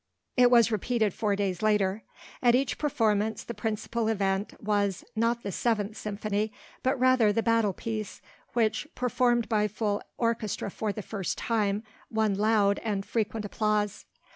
It was repeated four days later. At each performance, the principal event, was, not the Seventh Symphony, but rather the Battle piece, which, performed by full orchestra for the first time, won loud and frequent applause.